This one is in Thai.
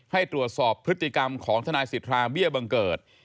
ให้ตรวจสอบพฤติกรรมของทนายสิทธาเบี้ยบังเกิด